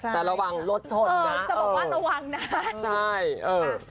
แต่ระวังรถถนน่ะจะบอกว่าระวังนะ